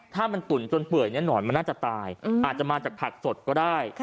ถ้ามันตุ๋นจนเปื่อยหนอนมันน่าจะตายอาจจะมาจากผักสดก็ได้